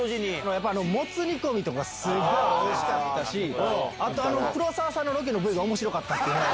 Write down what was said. やっぱり、もつ煮込みとかすごいおいしかったし、あと、黒沢さんのロケのＶがおもしろかったっていうのが。